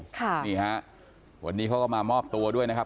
ค่ะนี่ฮะวันนี้เขาก็มามอบตัวด้วยนะครับ